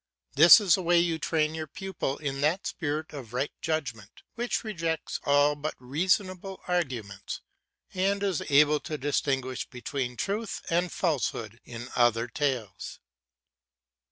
This is the way you train your pupil in that spirit of right judgment, which rejects all but reasonable arguments, and is able to distinguish between truth and falsehood in other tales.